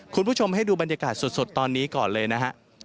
คุณผู้ชมให้ดูบรรยากาศสดตอนนี้ก่อนเลยนะฮะ